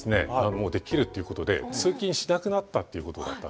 もうできるっていうことで通勤しなくなったっていうことだったんですね。